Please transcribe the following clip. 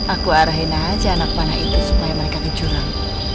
aku arahin aja anak mana itu supaya mereka ke jurang